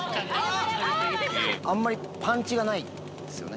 あんまりパンチがないですよね。